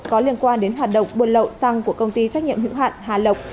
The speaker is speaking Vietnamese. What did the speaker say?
có liên quan đến hoạt động buôn lậu xăng của công ty trách nhiệm hữu hạn hà lộc